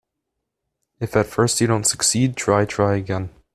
If at first you don't succeed, try, try again.